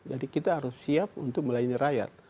jadi kita harus siap untuk melayani rakyat